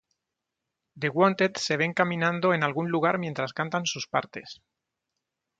The Wanted se ven caminando en algún lugar mientras cantan sus partes.